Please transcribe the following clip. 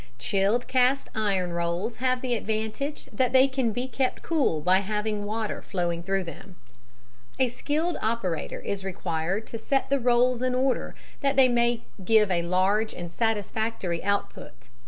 Chilled cast iron rolls have the advantage that they can be kept cool by having water flowing through them. A skilled operator is required to set the rolls in order that they may give a large and satisfactory output.